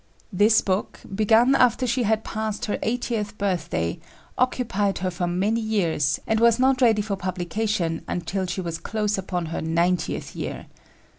This book, begun after she had passed her eightieth birthday, occupied her for many years and was not ready for publication until she was close upon her ninetieth year.